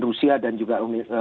rusia dan juga